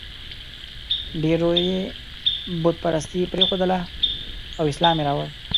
ډېرو یې بت پرستي پرېښودله او اسلام یې راوړ.